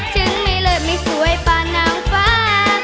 ถึงไม่เลิศไม่สวยปานางฟ้า